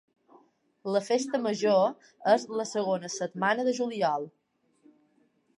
La festa major és la segona setmana de juliol.